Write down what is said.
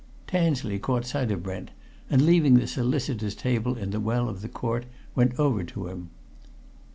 Tansley caught sight of Brent, and leaving the solicitors' table in the well of the court went over to him.